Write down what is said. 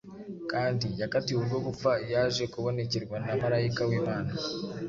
kandi yakatiwe urwo gupfa, yaje kubonekerwa na marayika w’Imana